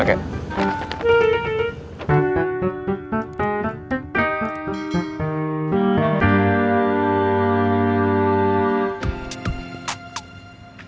aku belum mau posisi